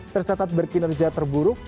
tercatat berkinerja terburuk